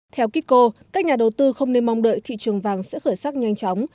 theo kikko các nhà đầu tư không nên mong đợi thị trường vàng sẽ khởi sắc nhanh chóng